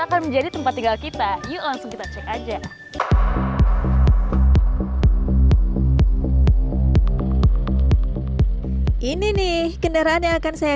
akan menjadi tempat tinggal kita yuk langsung kita cek aja ini nih kendaraan yang akan saya